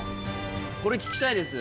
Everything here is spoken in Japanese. これ聞きたいです